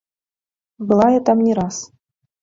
Была я там не раз.